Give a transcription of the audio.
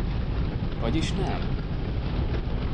Vagyis nem!